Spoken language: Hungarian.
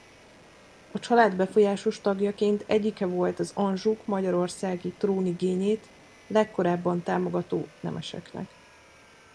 A család befolyásos tagjaként egyike volt az Anjouk magyarországi trónigényét legkorábban támogató nemeseknek.